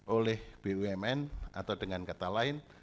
oleh bumn atau dengan kata lain